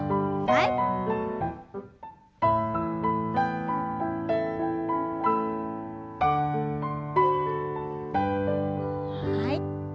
はい。